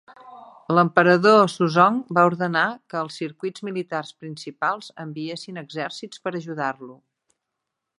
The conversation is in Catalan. L'emperador Suzong va ordenar que els circuits militars principals enviessin exèrcits per ajudar-lo.